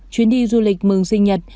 chuyến đi du lịch mừng sinh nhật